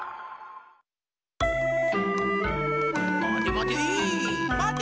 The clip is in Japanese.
まてまて！